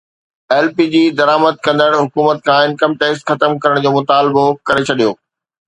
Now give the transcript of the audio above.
L P G درآمد ڪندڙن حڪومت کان انڪم ٽيڪس ختم ڪرڻ جو مطالبو ڪري ڇڏيو